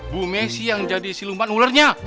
bu messi yang jadi siluman ulernya